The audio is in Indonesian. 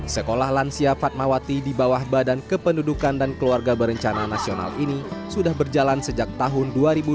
sekolah lansia fatmawati di bawah badan kependudukan dan keluarga berencana nasional ini sudah berjalan sejak tahun dua ribu dua puluh